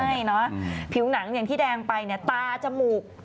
ใช่เนอะผิวหนังอย่างที่แดงไปเนี่ยตาจมูก